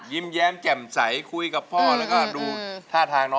ยิ้มแย้มแจ่มใสคุยกับพ่อแล้วก็ดูท่าทางน้อง